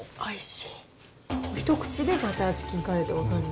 一口でバターチキンカレーって分かる。